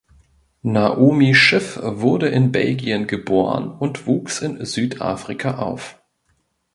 Naomi Schiff wurde in Belgien geboren und wuchs in Südafrika auf.